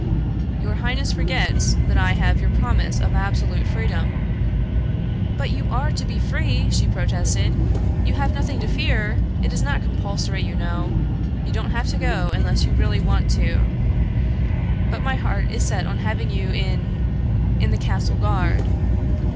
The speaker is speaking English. "Your highness forgets that I have your promise of absolute freedom." "But you are to be free," she protested. "You have nothing to fear. It is not compulsory, you know. You don't have to go unless you really want to. But my heart is set on having you in in the castle guard."